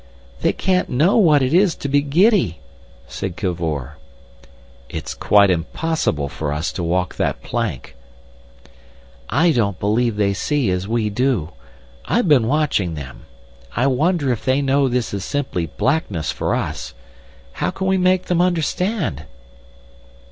"They can't know what it is to be giddy!" said Cavor. "It's quite impossible for us to walk that plank." "I don't believe they see as we do. I've been watching them. I wonder if they know this is simply blackness for us. How can we make them understand?"